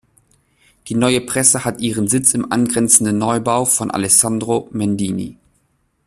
Die Neue Presse hat ihren Sitz im angrenzenden Neubau von Alessandro Mendini.